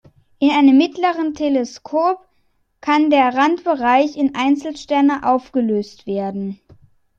In einem mittleren Teleskop kann der Randbereich in Einzelsterne aufgelöst werden.